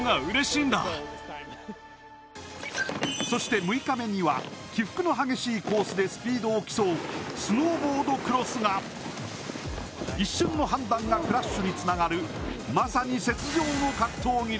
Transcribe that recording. そして６日目には、起伏の激しい場所でスピードを競うスノーボードクロスが一瞬のミスがクラッシュにつながる。